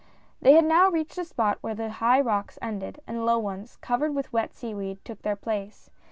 They had now reached a spot where the high rocks ended, and low ones, covered with wet seaweed, took their place.